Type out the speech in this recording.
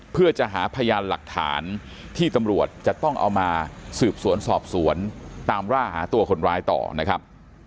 เพื่อจะหาพยานหลักฐานที่ตำรวจจะต้องเอามาสืบสวนสอบสวนตามร่าหาตัวคนร้ายต่อนะครับ